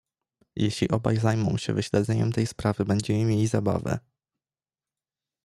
"Jeśli obaj zajmą się wyśledzeniem tej sprawy będziemy mieli zabawę."